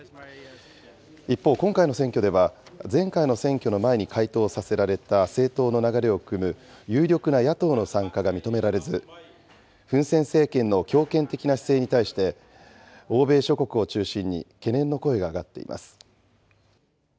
一方、今回の選挙では、前回の選挙の前に解党させられた政党の流れをくむ有力な野党の参加が認められず、フン・セン政権の強権的な姿勢に対して、欧米諸国を中心に、懸念の声が上がっています。